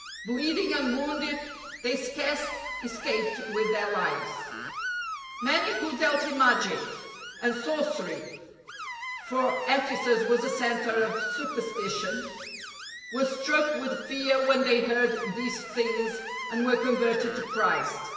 Bleeding and wounded, they scarce escaped with their lives. Many who dealt in magic and sorcery — ^for " STRENGTH IN INFIRMITY " 85 Ephesus was a centre of superstition— were struck with fear when they heard these things, and were converted to Christ.